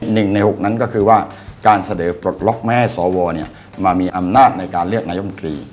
หนึ่งใน๖นั้นก็คือว่าการเสนอปลดล็อกไม่ให้สวมามีอำนาจในการเลือกนายมนตรี